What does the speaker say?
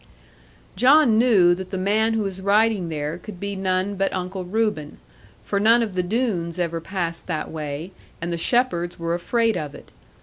John knew that the man who was riding there could be none but Uncle Reuben, for none of the Doones ever passed that way, and the shepherds were afraid of it.